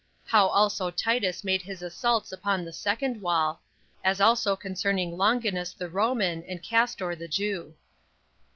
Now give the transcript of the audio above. How Also Titus Made His Assaults Upon The Second Wall; As Also Concerning Longinus The Roman, And Castor The Jew.